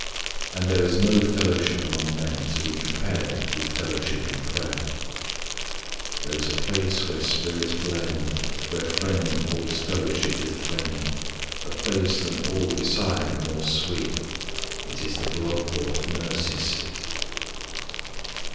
And there is no fellowship among men to be compared with fellowship in prayer. "There is a place where spirits blend, Where friend holds fellowship with friend, A place than all beside more sweet, It is the blood bought mercy seat."